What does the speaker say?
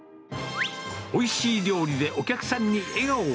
おいしい料理でお客さんに笑顔を！